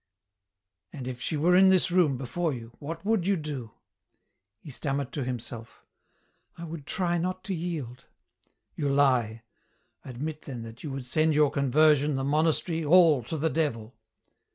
" And if she were in this room, before you, what would you do ?" He stammered to himself :" I would try not to yield." " You he ; admit then that you would send your conver sion, the monastery, all, to the devil."